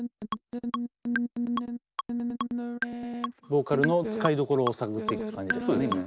ボーカルの使いどころを探っていく感じですかね。